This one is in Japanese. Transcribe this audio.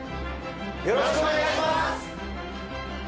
よろしくお願いします。